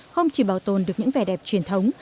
không chỉ bảo tồn được những vẻ đẹp truyền thống